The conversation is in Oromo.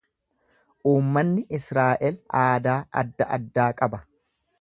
Uummanni Israa’el aadaa adda addaa qaba.